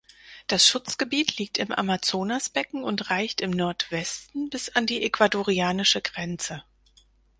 Das Schutzgebiet liegt im Amazonasbecken und reicht im Nordwesten bis an die ecuadorianische Grenze.